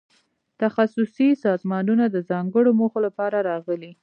تخصصي سازمانونه د ځانګړو موخو لپاره راغلي.